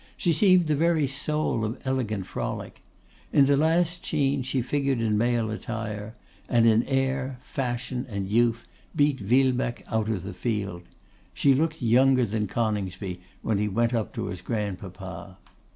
She seemed the very soul of elegant frolic. In the last scene she figured in male attire; and in air, fashion, and youth, beat Villebecque out of the field. She looked younger than Coningsby when he went up to his grandpapa.